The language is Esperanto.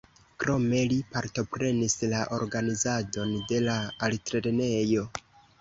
Krome li partoprenis la organizadon de la altlernejo.